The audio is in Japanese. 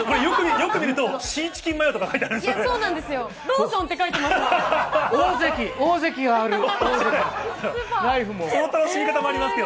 よく見ると、シーチキンマヨとか書いてあるんですよ。